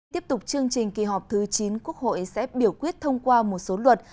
tiếp tục chương trình kỳ họp thứ chín quốc hội sẽ biểu quyết thông qua một số luật